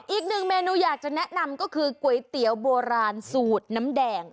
อีกหนึ่งเมนูอยากจะแนะนำก็คือก๋วยเตี๋ยวโบราณสูตรน้ำแดง